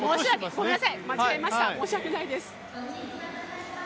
ごめんなさい、間違えました申し訳ないです。